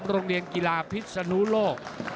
โรงเรียนกีฬาพิศนุโลก